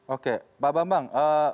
oke pak bambang